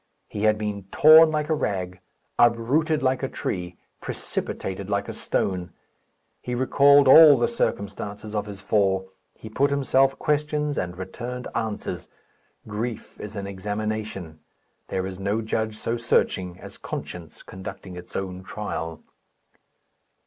He had been torn like a rag, uprooted like a tree, precipitated like a stone. He recalled all the circumstances of his fall. He put himself questions, and returned answers. Grief is an examination. There is no judge so searching as conscience conducting its own trial.